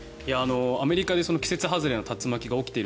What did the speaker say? アメリカで季節外れの竜巻が起きている。